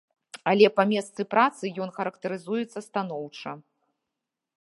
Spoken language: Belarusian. Але па месцы працы ён характарызуецца станоўча.